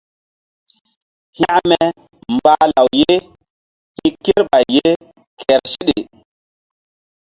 Hekme mbah law ye hi̧ kerɓay ye kehr seɗe.